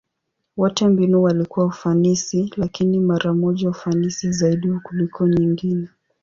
Wote mbinu walikuwa ufanisi, lakini mara moja ufanisi zaidi kuliko nyingine.